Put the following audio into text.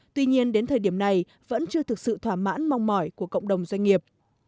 tuy nhiên đến thời điểm này vẫn chưa thực sự thỏa mãn mong mỏi của cộng đồng doanh nghiệp